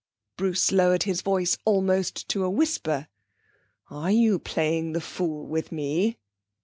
Bruce lowered his voice almost to a whisper. 'Are you playing the fool with me?'